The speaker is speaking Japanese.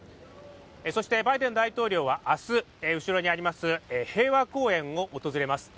そして、バイデン大統領は明日、後ろにあります平和公園を訪れます。